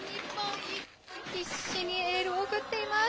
必死にエールを送っています。